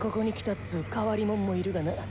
っつー変わりもんもいるがな。